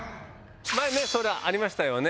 前ねそれありましたよね